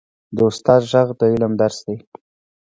د استاد ږغ د علم درس دی.